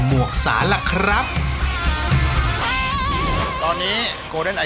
หมวกปีกดีกว่าหมวกปีกดีกว่า